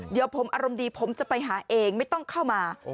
เดี๋ยวผมอารมณ์ดีผมจะไปหาเองไม่ต้องเข้ามา